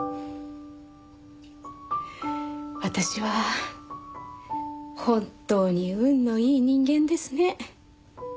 私は本当に運のいい人間ですね。